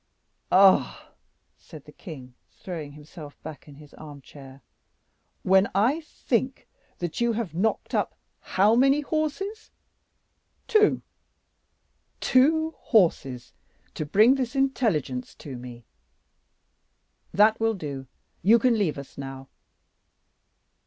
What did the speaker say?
"Ah!" said the king, throwing himself back in his armchair: "When I think that you have knocked up how many horses?" "Two!" "Two horses to bring this intelligence to me. That will do, you can leave us now."